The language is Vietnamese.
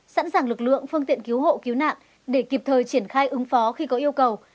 sẵn sàng lực lượng phương tiện cứu hộ cứu nạn để kịp thời triển khai ứng phó khi có yêu cầu